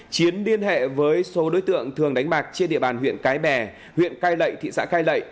chiến liên hệ với số đối tượng thường đánh bạc trên địa bàn huyện cái bè huyện cai lệ thị xã cai lậy